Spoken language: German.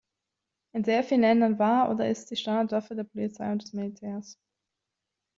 In sehr vielen Ländern war oder ist sie Standardwaffe der Polizei und des Militärs.